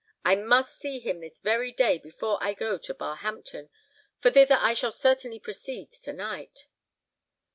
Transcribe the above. I must see him this very day before I go to Barhampton, for thither I shall certainly proceed to night."